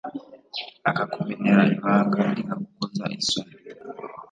akakumenera ibanga rikagukoza isoni